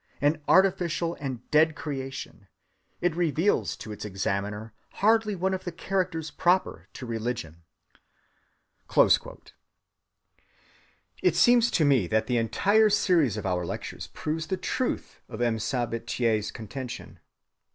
An artificial and dead creation, it reveals to its examiner hardly one of the characters proper to religion."(307) It seems to me that the entire series of our lectures proves the truth of M. Sabatier's contention.